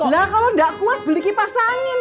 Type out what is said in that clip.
lah kalau gak kuat beli kipas angin